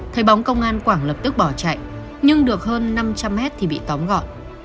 thấy bóng công an quảng lập tức bỏ chạy nhưng được hơn năm trăm linh mét thì bị tóm gọn